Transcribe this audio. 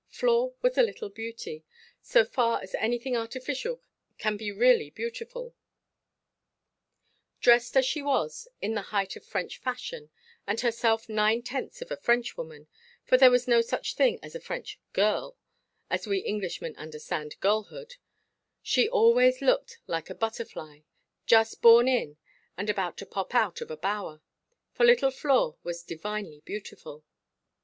Flore was a little beauty; so far as anything artificial can be really beautiful. Dressed, as she was, in the height of French fashion, and herself nine–tenths of a Frenchwoman—for there is no such thing as a French girl, as we Englishmen understand girlhood—she always looked like a butterfly, just born in and just about to pop out of a bower; for little Flore was "divinely beautiful."